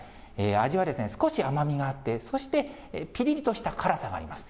味は少し甘みがあって、そしてぴりりとした辛さがあります。